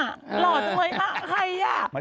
หล่อจังเลยใคร